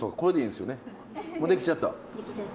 できちゃった。